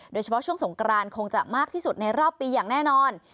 โดยเฉพาะช่วงสงกรานคงจะมากที่สุดในรอบปีอย่างแน่นอน